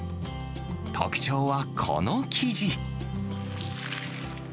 特徴はこの生地。